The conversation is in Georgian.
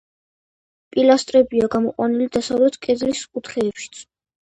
პილასტრებია გამოყვანილი დასავლეთ კედლის კუთხეებშიც.